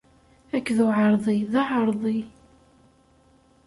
Akked uɛerḍi, d aɛerḍi.